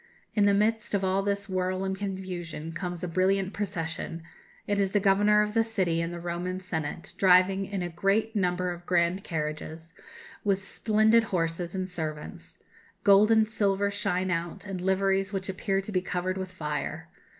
In the midst of all this whirl and confusion comes a brilliant procession: it is the governor of the city and the Roman senate, driving in a great number of grand carriages, with splendid horses and servants; gold and silver shine out, and liveries which appear to be covered with fire.